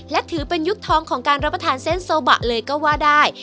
และถือเป็นยุคทองของการรับประทานเส้นโซบะเลยก็ว่าได้